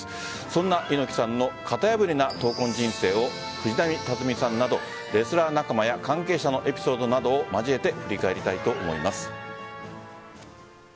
そんな猪木さんの型破りな闘魂人生を藤波辰爾さんなどレスラー仲間や関係者のエピソードなどを交えて振り返りたいと思います。